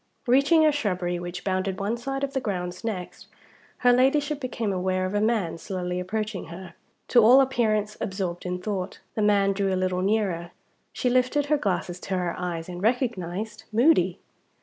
Reaching a shrubbery which bounded one side of the grounds next, her Ladyship became aware of a man slowly approaching her, to all appearance absorbed in thought. The man drew a little nearer. She lifted her glasses to her eyes and recognized Moody.